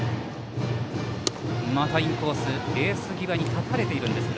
またインコースベース際に立たれているんですが。